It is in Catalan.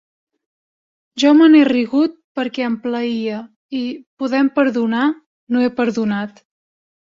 Jo me n’he rigut perquè em plaïa i, podent perdonar, no he perdonat...